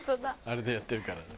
あれでやってるからね